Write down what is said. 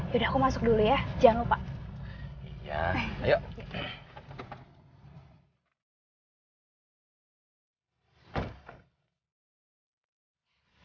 aku masuk dulu ya jangan lupa